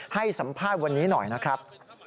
ให้สัมภาษณ์วันนี้หน่อยนะครับ